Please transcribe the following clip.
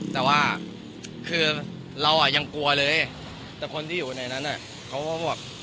แต่ว่าคือเราอ่ะยังกลัวเลยแต่คนที่อยู่ในนั้นเขาก็บอก